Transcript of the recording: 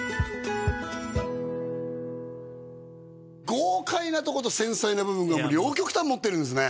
豪快なとこと繊細な部分が両極端持ってるんですね